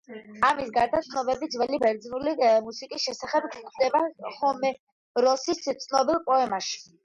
ამის გარდა ცნობები ძველი ბერძნული მუსიკის შესახებ გვხვდება ჰომეროსის ცნობილ პოემებში.